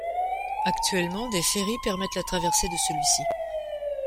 Actuellement, des ferrys permettent la traversée de celui-ci.